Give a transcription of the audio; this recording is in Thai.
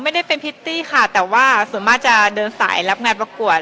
ไม่ได้เป็นพิตตี้ค่ะแต่ว่าส่วนมากจะเดินสายรับงานประกวด